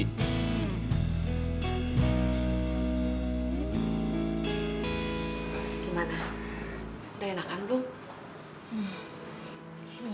gimana udah enakan belum